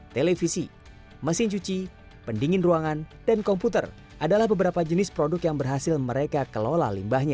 televisi mesin cuci pendingin ruangan dan komputer adalah beberapa jenis produk yang berhasil mereka kelola limbahnya